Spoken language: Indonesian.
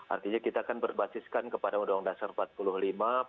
artinya kita kan berbasiskan kepada udang pembangunan